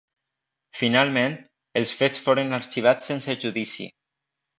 Finalment, els fets foren arxivats sense judici.